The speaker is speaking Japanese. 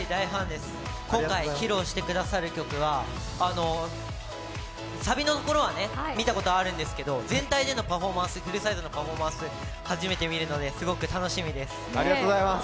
今回、披露してくださる曲はサビのところは見たことあるんですけど、全体でのフルサイズのパフォーマンス見るのは初めてなのですごく楽しみです。